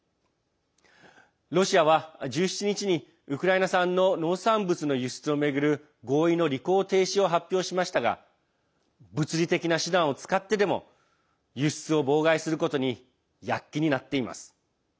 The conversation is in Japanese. ロシアは１７日にウクライナ産の農産物の輸出を巡る合意の履行停止を発表しましたが物理的な手段を使ってでも輸出を妨害することに躍起になっています。